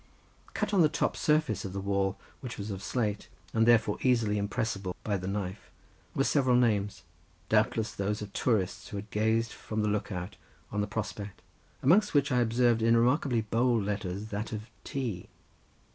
Cut on the top surface of the wall, which was of slate and therefore easily impressible by the knife, were several names, doubtless those of tourists, who had gazed from the look out on the prospect, amongst which I observed in remarkably bold letters that of T.